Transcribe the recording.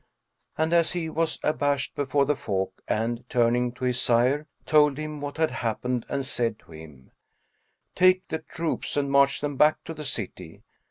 And he was abashed before the folk and, turning to his sire, told him what had happened and said to him, "Take the troops and march them back to the city.